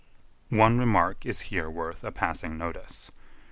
One remark is here worth a passing notice.